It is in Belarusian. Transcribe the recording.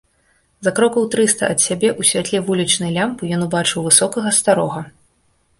За крокаў трыста ад сябе, у святле вулічнай лямпы ён убачыў высокага старога.